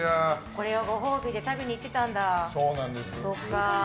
これをご褒美で食べに行ってたんだ。